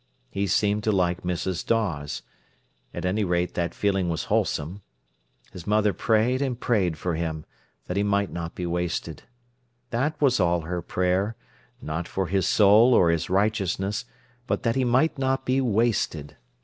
He seemed to like Mrs. Dawes. At any rate that feeling was wholesome. His mother prayed and prayed for him, that he might not be wasted. That was all her prayer—not for his soul or his righteousness, but that he might not be wasted.